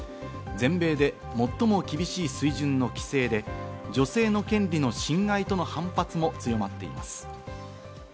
全米で最も厳しい水準の規制で、女性の権利の侵害との反発も強まっています。